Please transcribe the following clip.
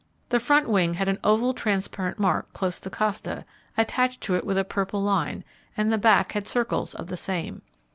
The front wing had an oval transparent mark close the costa, attached to it with a purple line, and the back had circles of the same.